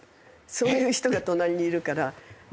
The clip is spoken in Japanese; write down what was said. そういう人が隣にいるから全部私が。